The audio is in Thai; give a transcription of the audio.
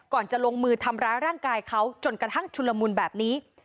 จะลงมือทำร้ายร่างกายเขาจนกระทั่งชุลมุนแบบนี้